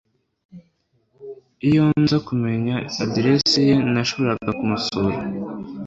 Iyo nza kumenya aderesi ye nashoboraga kumusura